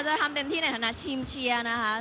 จะทำเต็มที่ในฐานะทีมเชียร์นะคะ